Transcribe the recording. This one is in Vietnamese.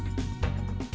hẹn gặp lại